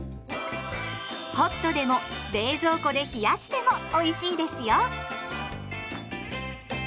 ホットでも冷蔵庫で冷やしてもおいしいですよ！